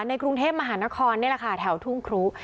ในกรุงเทพมหานครนี่แหละค่ะแถวทุ่งครุ